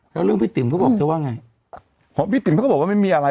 แล้วเรื่องพี่ติ๋มเขาบอกเธอว่าไงพี่ติ๋มเขาก็บอกว่าไม่มีอะไร